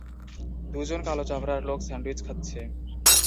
দুজন কালো চামড়ার লোক স্যান্ডউইচ খাচ্ছে।